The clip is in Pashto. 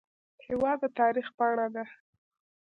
هېواد د تاریخ پاڼه ده.